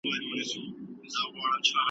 د غرو لمنو کي اغزیو پیرې وکرلې